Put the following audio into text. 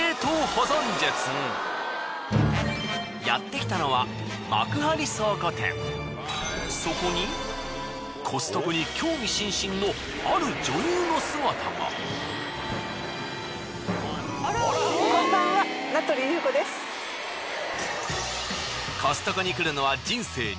やってきたのはそこにコストコに来るのは人生